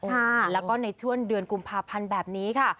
ค่ะแล้วก็ในช่วงเดือนกุมภาพันธ์แบบนี้ค่ะ